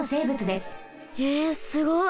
えすごい！